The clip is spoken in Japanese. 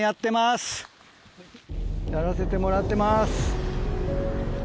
やらせてもらってます。